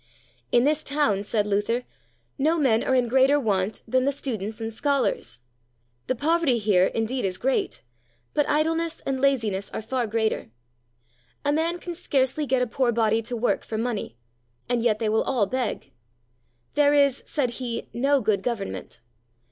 In this town, said Luther, no men are in greater want than the students and scholars. The poverty here indeed is great, but idleness and laziness are far greater. A man can scarcely get a poor body to work for money, and yet they will all beg. There is, said he, no good government.